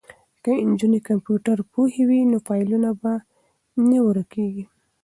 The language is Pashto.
که نجونې کمپیوټر پوهې وي نو فایلونه به نه ورکیږي.